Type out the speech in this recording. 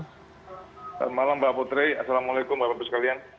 selamat malam mbak putri assalamualaikum warahmatullahi wabarakatuh sekalian